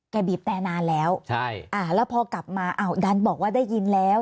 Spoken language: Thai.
กะบีบแต่นานแล้วอ่ะและพอกลับมาแดนบอกว่าได้ยินแล้ว